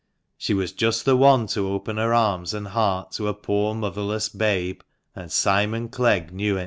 She was just the one to open her arms and heart to a poor motherless babe, and Simon Clegg knew it.